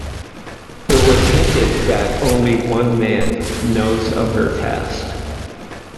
It was hinted that 'only one man' knows of her past.